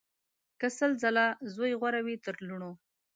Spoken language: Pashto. که سل ځله زویه غوره وي تر لوڼو